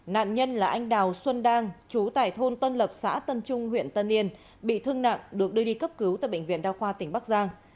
nạn nhân là anh đào xuân đang chú tại thôn tân lập xã tân trung huyện tân yên bị thương nặng được đưa đi cấp cứu tại bệnh viện đa khoa tỉnh bắc giang